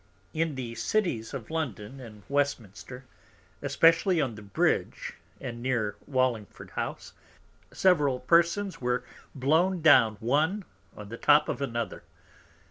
In the Cities of London and Westminster, especially on the Bridge and near Wallingford house, several Persons were blown down one on the Top of another.